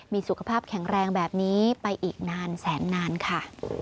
มีสุขภาพแข็งแรงแบบนี้ไปอีกนานแสนนานค่ะ